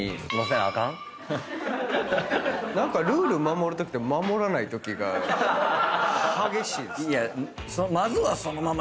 何かルール守るときと守らないときが激しいですね。